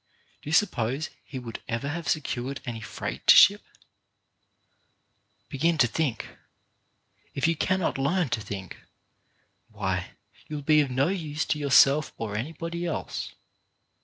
Do you suppose he would ever have secured any freight to ship? Begin to think. If you cannot learn to think, why, you will be of no use to yourself or anybody else.